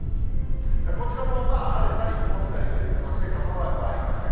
こちらも晴れたり曇ったりという形で傘マークはありません。